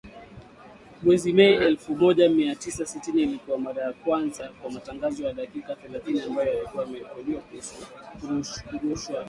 Mwezi Mei elfu moja mia tisa sitini ilikuwa mara ya kwanza kwa matangazo ya dakika thelathini ambayo yalikuwa yamerekodiwa kurushwa redioni